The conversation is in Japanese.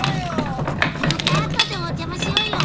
またあとでお邪魔しようよ！